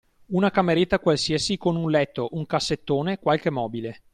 Una cameretta qualsiasi, con un letto, un cassettone, qualche mobile.